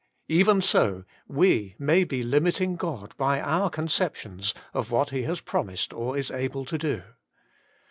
Even so we may be limiting God by our conceptions of what He has promised or is able to do.